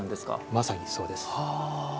まさにそうです。